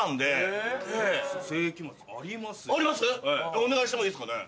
お願いしてもいいですかね。